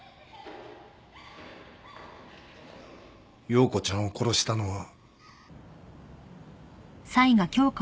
葉子ちゃんを殺したのは。